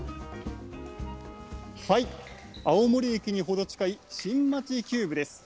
青森駅に程近い、新町キューブです。